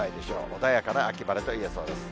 穏やかな秋晴れといえそうです。